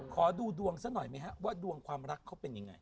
ขอดูดวงซะหน่อยไหมฮะว่าดวงความรักเขาเป็นยังไง